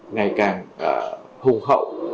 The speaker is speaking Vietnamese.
ngày càng hùng hậu